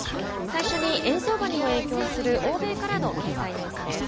最初に円相場にも影響する欧米からの経済ニュースです。